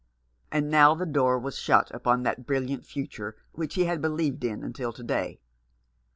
And now the door was shut upon that brilliant future which he had believed in until to day.